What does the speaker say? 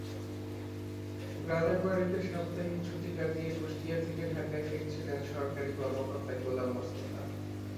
গ্রামের বাড়িতে সাপ্তাহিক ছুটি কাটিয়ে কুষ্টিয়া থেকে ঢাকায় ফিরছিলেন সরকারি কর্মকর্তা গোলাম মোস্তফা।